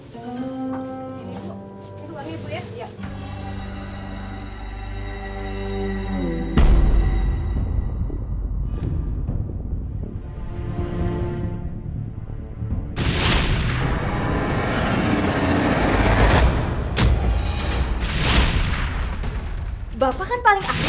terima kasih ya bu